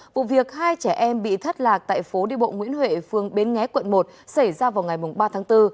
vụ việc hai trẻ em bị thất lạc tại phố đi bộ nguyễn huệ phương bến nghé quận một xảy ra vào ngày ba tháng bốn